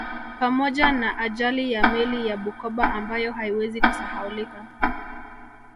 Pamoja na ajali ya meli ya Bukoba ambayo haiwezi kusahaulika